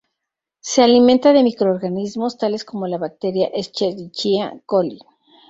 Se alimenta de microorganismos, tales como la bacteria "Escherichia coli".